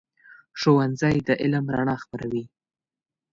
ښوونځی د علم رڼا خپروي.